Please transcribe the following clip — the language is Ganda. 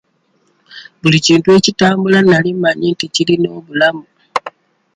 Buli kintu ekitambula nali mmanyi nti kirina obulamu.